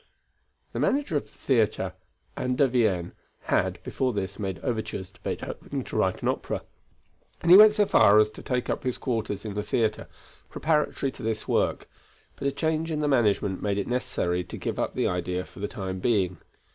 The manager of the theatre, An der Wien, had, before this, made overtures to Beethoven to write an opera, and he went so far as to take up his quarters in the theatre, preparatory to this work; but a change in the management made it necessary to give up the idea for the time being.